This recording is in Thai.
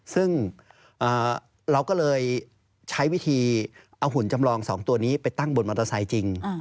ซึ่งเราก็เลยใช้วิธีเอาหุ่นจำลอง๒ตัวนี้ไปตั้งบนมอเตอร์ไซค์จริง